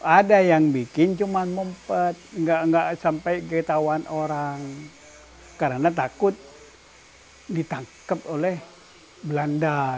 ada yang bikin cuma nggak sampai ketahuan orang karena takut ditangkap oleh belanda